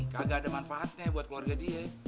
kagak ada manfaatnya buat keluarga dia